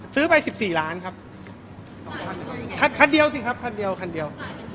ซื้อไปสิบสี่ล้านครับสองคันคันเดียวสิครับคันเดียวคันเดียว